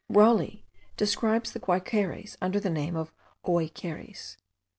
Raleigh describes the Guaiqueries under the name of Ouikeries.